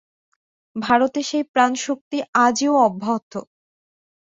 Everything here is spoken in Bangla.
ভারতে সেই প্রাণশক্তি আজিও অব্যাহত।